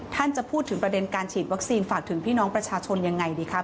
ท่านจะพูดถึงประเด็นการฉีดวัคซีนฝากถึงพี่น้องประชาชนยังไงดีครับ